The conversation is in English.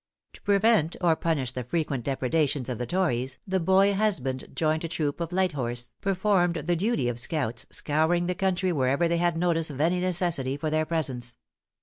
To prevent or punish the frequent depredations of the tories, the boy husband joined a troop of light horse, who, acting on their own responsibility, performed the duty of scouts, scouring the country wherever they had notice of any necessity for their presence.